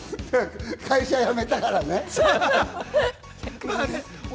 会社辞めたからね。